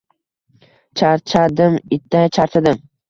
— Charchadim, itday charchadim.